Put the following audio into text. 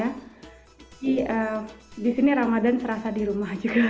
jadi di sini ramadhan serasa di rumah juga